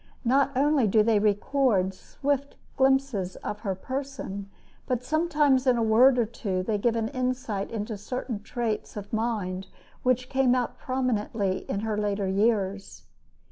Not only do they record swift glimpses of her person, but sometimes in a word or two they give an insight into certain traits of mind which came out prominently in her later years.